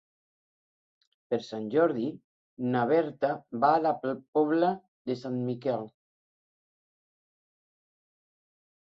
Per Sant Jordi na Berta va a la Pobla de Sant Miquel.